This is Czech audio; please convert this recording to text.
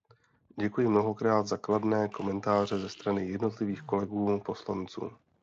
Děkuji mnohokrát za kladné komentáře ze strany jednotlivých kolegů poslanců.